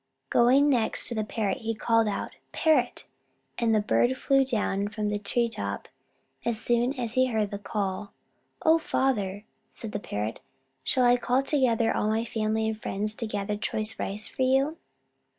Going next to the Parrot, he called out, "Parrot!" and the bird flew down from the tree top as soon as he heard the call. "O Father," said the Parrot, "shall I call together all my family and friends to gather choice rice for you?"